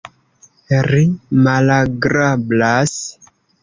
Ri malagrablas.